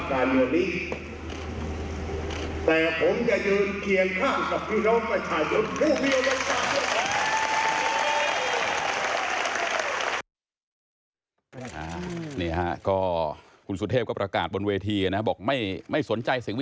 ผมอาจจะเป็นจดด้อยเจ้าตอนของภาครีให้คนโจมตี